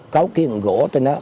cáo kiện gỗ trên đó